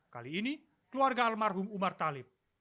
kali ini keluarga almarhum umar talib